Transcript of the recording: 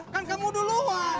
kan kamu duluan